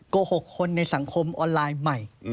โกหกคนในสังคมออนไลน์ใหม่